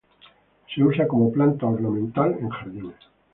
Se usa como planta ornamental en jardines.